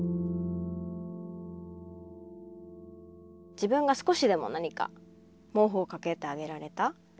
自分が少しでも何か毛布を掛けてあげられた。